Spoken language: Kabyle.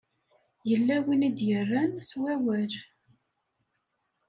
Yella win i d-yerran s wawal.